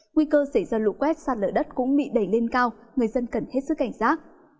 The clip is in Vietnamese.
nguy cơ xảy ra lũ quét sạt lở đất cũng bị đẩy lên cao người dân cần hết sức cảnh giác